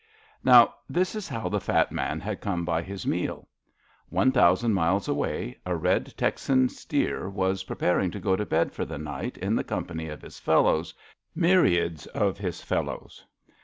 Now, this is how the fat man had come by his meal. One thousand miles away, a red Texan steer was preparing to go to bed for the night in the company of his fellows — ^myriads of his fel lows.